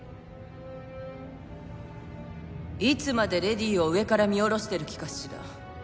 いつまでレディーを上から見下ろしてる気かしら？